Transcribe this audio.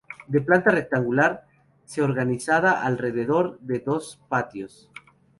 De planta rectangular, se organizada alrededor de dos patios.